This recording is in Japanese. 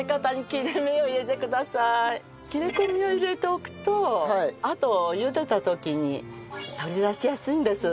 切り込みを入れておくとあとゆでた時に取り出しやすいんです。